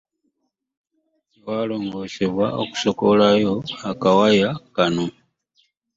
Ewarongosebwa okusokolayo aka waya kano.